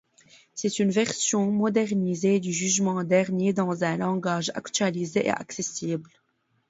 C'est une version modernisée du Jugement dernier dans un langage actualisée et accessible.